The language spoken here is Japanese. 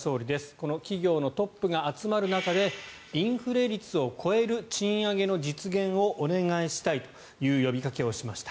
この企業のトップが集まる中でインフレ率を超える賃上げの実現をお願いしたいという呼びかけをしました。